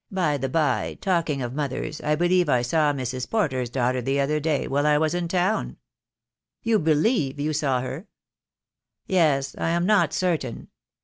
"By the bye, talking of mothers, I believe I I saw Mrs. Porter's daughter the other day while I was in town." "You believe you saw her?" "Yes, I am not certain.